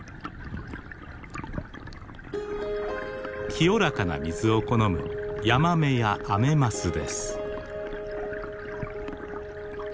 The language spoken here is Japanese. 清らかな水を好むヤマメやアメマスです。